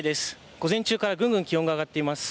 午前中からぐんぐん気温が上がっています。